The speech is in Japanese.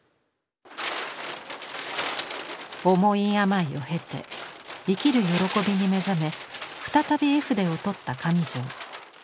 重い病を経て生きる喜びに目覚め再び絵筆を取った上條。